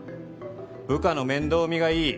部下の面倒見がいい